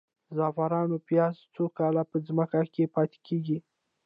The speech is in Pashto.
د زعفرانو پیاز څو کاله په ځمکه کې پاتې کیږي؟